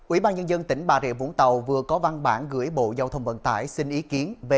ủy ban nhân dân tỉnh bà rịa vũng tàu vừa có văn bản gửi bộ giao thông vận tải xin ý kiến về